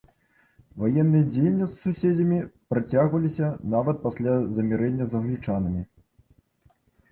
Ваенныя дзеянні з суседзямі працягваліся нават пасля замірэння з англічанамі.